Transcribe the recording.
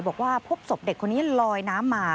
บอกว่าพบศพเด็กคนนี้ลอยน้ำมา